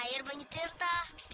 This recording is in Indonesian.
mata air banyutirta